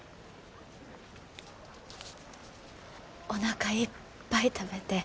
おなかいっぱい食べて。